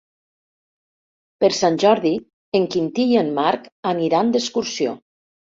Per Sant Jordi en Quintí i en Marc aniran d'excursió.